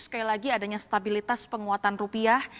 sekali lagi adanya stabilitas penguatan rupiah